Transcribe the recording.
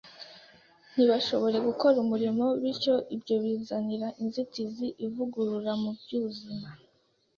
ntibashobore gukora umurimo. Bityo ibyo bizanira inzitizi ivugurura mu by’ubuzima